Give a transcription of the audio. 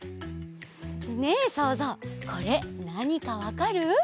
ねえそうぞうこれなにかわかる？